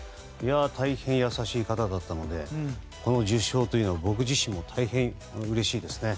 大変優しい方だったのでこの受賞というのは僕自身も大変うれしいですね。